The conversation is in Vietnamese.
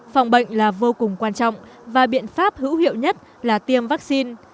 phòng bệnh là vô cùng quan trọng và biện pháp hữu hiệu nhất là tiêm vaccine